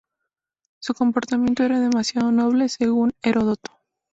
Su comportamiento era demasiado noble, según Heródoto.